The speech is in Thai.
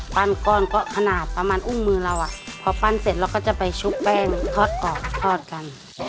ก้อนก็ขนาดประมาณอุ้มมือเราอ่ะพอปั้นเสร็จเราก็จะไปชุบแป้งทอดกรอบทอดกัน